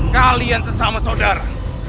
kalian sesama saudara